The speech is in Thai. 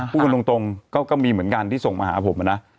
พูดกันตรงก็มีเหมือนกันที่ส่งมาหาผมนะ